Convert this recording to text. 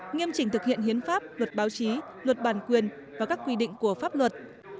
nghiêm chỉnh thực hiện hiến pháp luật báo chí luật bản quyền và các quy định của pháp luật